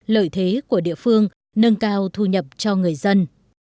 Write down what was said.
lợi thế của địa phương nâng cao thu nhập cho người dân